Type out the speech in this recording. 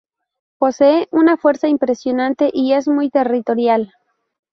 Posee una fuerza impresionante y es muy territorial.